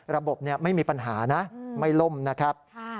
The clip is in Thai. ระบบไม่มีปัญหานะไม่ล่มนะครับ